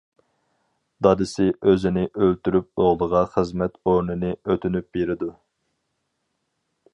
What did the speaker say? دادىسى ئۆزىنى ئۆلتۈرۈپ ئوغلىغا خىزمەت ئورنىنى ئۆتۈنۈپ بېرىدۇ.